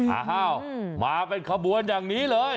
อ้าวมาเป็นขบวนอย่างนี้เลย